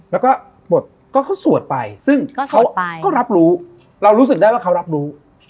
แล้วก็บทก็เขาสวดไปซึ่งเขาก็รับรู้เรารู้สึกได้ว่าเขารับรู้